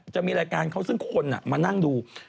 จะมีรายการเขาซึ่งคนมานั่งดู